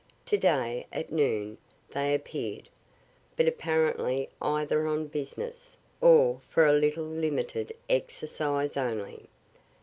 To day at noon they appear'd, but apparently either on business, or for a little limited exercise only.